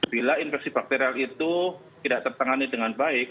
bila infeksi bakterial itu tidak tertangani dengan baik